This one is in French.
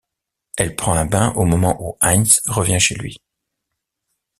Elle prend un bain au moment où Heinz revient chez lui.